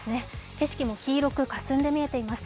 景色も黄色くかすんで見えています。